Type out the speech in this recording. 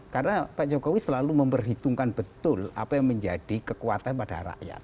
karena pak jokowi selalu memperhitungkan betul apa yang menjadi kekuatan pada rakyat